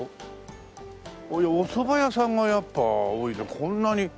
おそば屋さんがやっぱり多いねこんなに。